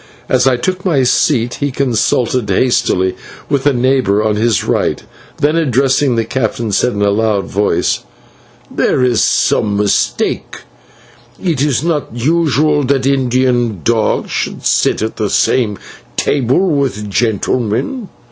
As I took my seat he consulted hastily with a neighbour on his right, then, addressing the captain, said in a loud voice: "There is some mistake; it is not usual that Indian dogs should sit at the same table with gentlemen."